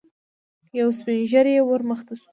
يو سپين ږيری ور مخته شو.